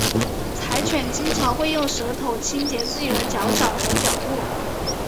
柴犬经常会用舌头清洁自己的脚掌和腿部。